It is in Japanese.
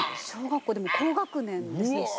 小学校でも高学年ですね。